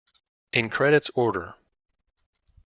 In credits order.